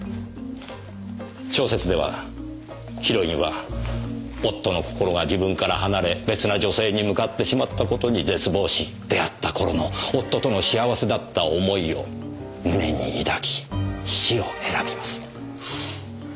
小説ではヒロインは夫の心が自分から離れ別な女性に向かってしまった事に絶望し出会った頃の夫との幸せだった思いを胸に抱き死を選びます。